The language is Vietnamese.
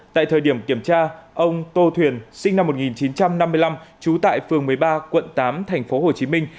tại thời điểm kiểm tra ông tô thuyền sinh năm một nghìn chín trăm năm mươi năm trú tại phường một mươi ba quận tám thành phố hồ chí minh